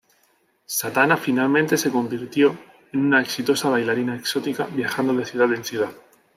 Satana finalmente se convirtió en una exitosa bailarina exótica, viajando de ciudad en ciudad.